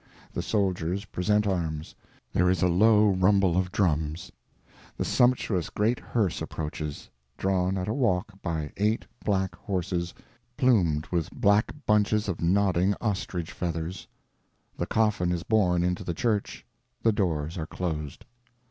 The soldiers present arms; there is a low rumble of drums; the sumptuous great hearse approaches, drawn at a walk by eight black horses plumed with black bunches of nodding ostrich feathers; the coffin is borne into the church, the doors are closed.